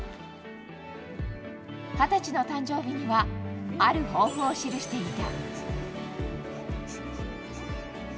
二十歳の誕生日にはある抱負を記していた。